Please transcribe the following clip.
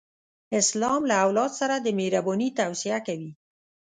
اسلام له اولاد سره د مهرباني توصیه کوي.